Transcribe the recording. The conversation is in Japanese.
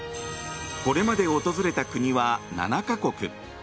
これまで訪れた国は７か国。